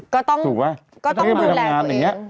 ก็ต้องดูแลตัวเองถูกไหมแล้วก็ต้องดูแลตัวเอง